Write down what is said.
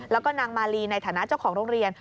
แล้วก็นางมาลีในฐานะเจ้าของโรงเรียน